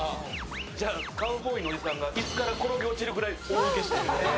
じゃあ、カウボーイのおじさんが椅子から転げ落ちるぐらい大ウケして。